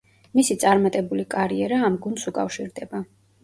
მისი წარმატებული კარიერა ამ გუნდს უკავშირდება.